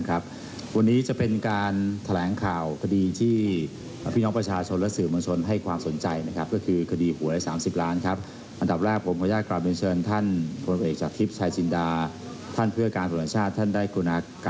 ครับสวัสดีท่านสื่อมวลชนทุกคนและทุกแขนแหนนะครับ